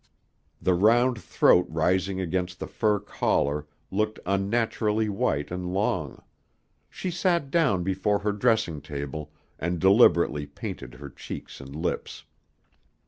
The round throat rising against the fur collar looked unnaturally white and long. She sat down before her dressing table and deliberately painted her cheeks and lips.